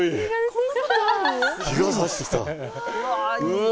うわ！